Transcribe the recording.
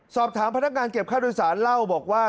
สอบถามพนักงานเก็บค่าโดยสารเล่าบอกว่า